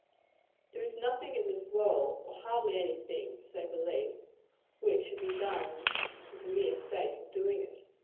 There is nothing in this world or hardly any thing, to say the least which should be done for the mere sake of doing it.